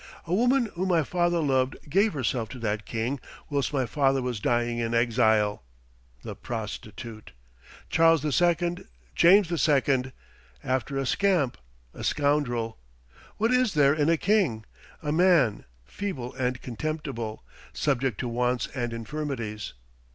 A woman whom my father loved gave herself to that king whilst my father was dying in exile. The prostitute! Charles II., James II.! After a scamp, a scoundrel. What is there in a king? A man, feeble and contemptible, subject to wants and infirmities.